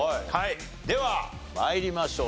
では参りましょう。